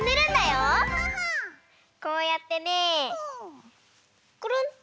こうやってねくるん。